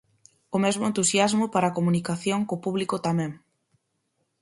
O mesmo entusiasmo para a comunicación co público tamén.